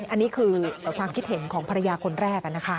อันนี้คือความคิดเห็นของภรรยาคนแรก